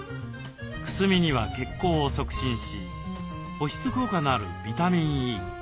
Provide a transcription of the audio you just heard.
くすみには血行を促進し保湿効果のあるビタミンＥ。